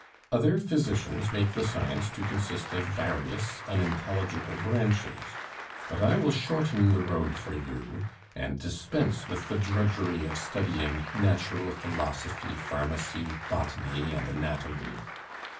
Other physicians make the science to consist of various unintelligible branches; but I will shorten the road for you, and dispense with the drudgery of studying natural philosophy, pharmacy, botany, and anatomy.